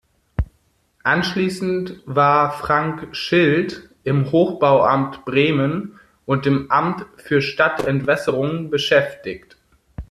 Anschließend war Frank Schildt im Hochbauamt Bremen und im Amt für Stadtentwässerung beschäftigt.